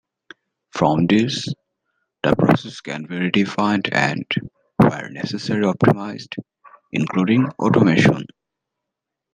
From this the processes can be re-defined and where necessary optimised, including automation.